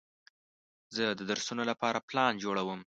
زه د درسونو لپاره پلان جوړوم.